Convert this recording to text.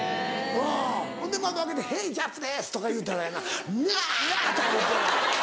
ほんで窓開けて「ヘイジャップです！」とか言うたらやな「ニャ！」とか言うて。